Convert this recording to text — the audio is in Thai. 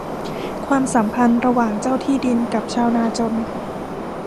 ความสัมพันธ์ระหว่างเจ้าที่ดินกับชาวนาจน